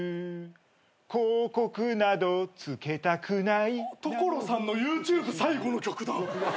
「広告などつけたくない」所さんのＹｏｕＴｕｂｅ最後の曲だ。